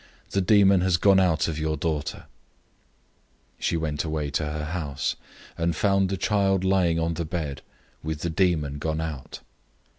The demon has gone out of your daughter." 007:030 She went away to her house, and found the child having been laid on the bed, with the demon gone out.